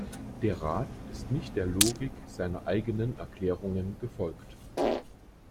Der Rat ist nicht der Logik seiner eigenen Erklärungen gefolgt.